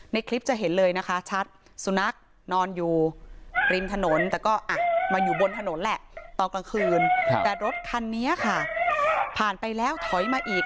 ในคลิปจะเห็นเลยนะคะชัดสุนัขนอนอยู่ริมถนนแต่ก็มาอยู่บนถนนแหละตอนกลางคืนแต่รถคันนี้ค่ะผ่านไปแล้วถอยมาอีก